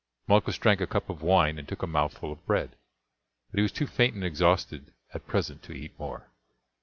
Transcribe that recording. Malchus drank a cup of wine and took a mouthful of bread; but he was too faint and exhausted at present to eat more.